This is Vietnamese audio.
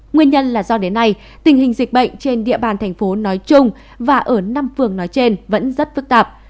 nguyên nhân là do đến nay tình hình dịch bệnh trên địa bàn thành phố nói chung và ở năm phường nói trên vẫn rất phức tạp